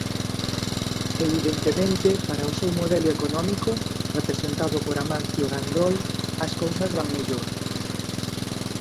Evidentemente, para o seu modelo económico, representado por Amancio Gandoi, as cousas van mellor.